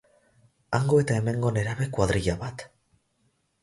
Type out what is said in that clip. Hango eta hemengo nerabe kuadrilla bat.